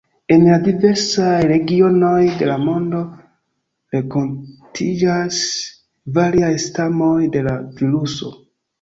En la diversaj regionoj de la mondo renkontiĝas variaj stamoj de la viruso.